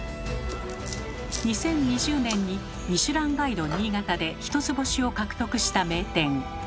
２０２０年に「ミシュランガイド新潟」で一つ星を獲得した名店。